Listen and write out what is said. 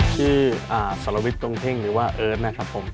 ชื่อสรวิทย์ตรงเท่งหรือว่าเอิร์ทนะครับผม